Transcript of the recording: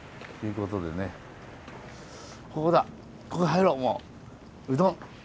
ここ入ろうもううどん。